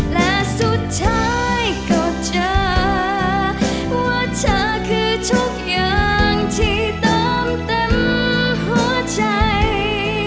และสุดท้ายก็เจอว่าเธอคือทุกอย่างที่เติมเต็มหัวใจ